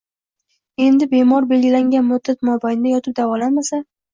Endi, bemor belgilangan muddat mobaynida yotib davolanmasa...